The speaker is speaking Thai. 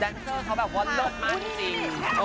ด้านเจอร์เขาแบบวอดเล็ตมากจริง